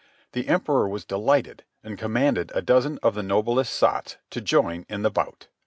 The Emperor was delighted, and commanded a dozen of the noblest sots to join in the bout.